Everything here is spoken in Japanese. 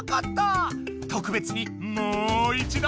とくべつにモいちど！